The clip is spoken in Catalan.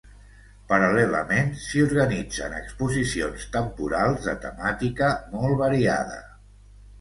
Paral·lelament, s'hi organitzen exposicions temporals de temàtica molt variada.